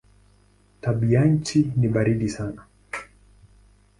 Tabianchi ni baridi sana.